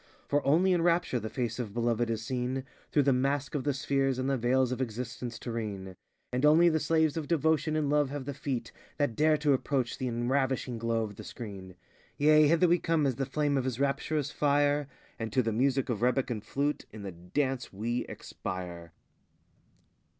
For only in rapture the face of Beloved is seen Through the mask of the spheres and the veils of existence terrene; And only the slaves of Devotion and Love have the feet That dare to approach the enravishing glow of the Screen. Yea, hither we come as the flame of his rapturous fire, And to the music of rebec and flute, in the dance, we expire.